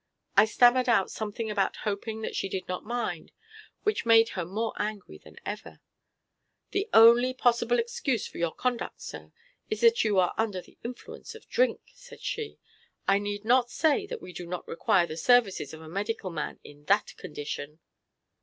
I stammered out something about hoping that she did not mind, which made her more angry than ever. "The only possible excuse for your conduct, sir, is that you are under the influence of drink," said she. "I need not say that we do not require the services of a medical man in that condition."